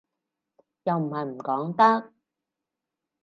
又唔係唔講得